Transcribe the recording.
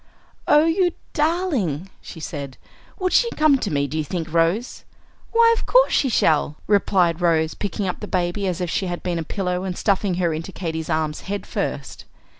"Oh, you darling!" she said. "Would she come to me, do you think, Rose?" "Why, of course she shall," replied Rose, picking up the baby as if she had been a pillow, and stuffing her into Katy's arms head first.